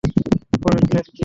পরের প্ল্যান কী?